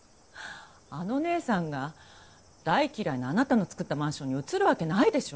あの姉さんが大嫌いなあなたの造ったマンションに移るわけないでしょ？